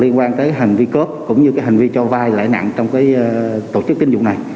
liên quan tới hành vi cướp cũng như hành vi cho vai lãi nặng trong tổ chức tín dụng này